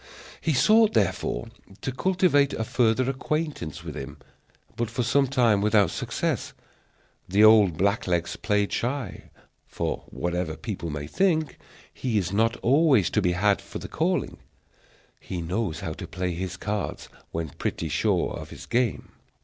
He sought, therefore, to cultivate a further acquaintance with him, but for some time without success; the old black legs played shy, for, whatever people may think, he is not always to be had for the calling; he knows how to play his cards when pretty sure of his game.